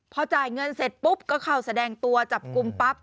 พอจ่ายเงินเสร็จปุ๊บก็เข้าแสดงตัวจับกลุ่มปั๊บ